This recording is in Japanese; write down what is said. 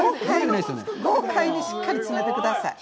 しっかり詰めてください。